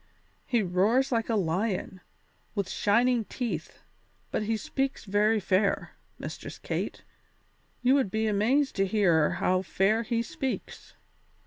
He roars like a lion, with shining teeth, but he speaks very fair, Mistress Kate; you would be amazed to hear how fair he speaks.